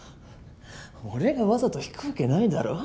俺がわざとひくわけないだろ？